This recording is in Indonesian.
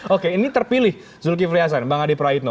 oke ini terpilih zulkifli hasan bang adi praitno